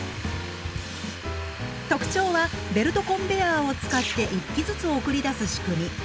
特徴はベルトコンベヤーを使って１機ずつ送り出す仕組み。